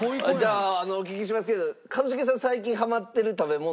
じゃあお聞きしますけど一茂さん最近ハマってる食べ物とかありますか。